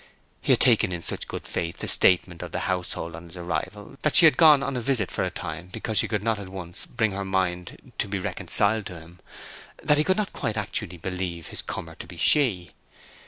He had taken in such good faith the statement of the household on his arrival, that she had gone on a visit for a time because she could not at once bring her mind to be reconciled to him, that he could not quite actually believe this comer to be she.